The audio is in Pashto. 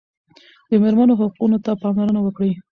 د مېرمنو حقوقو ته پاملرنه وکړئ.